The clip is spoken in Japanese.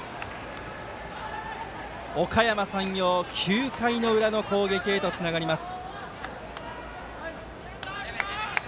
おかやま山陽９回の裏の攻撃へとつながります。